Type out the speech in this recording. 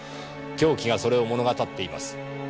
凶器がそれを物語っています。